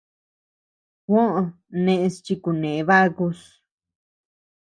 Juó neʼes chi kune bakus.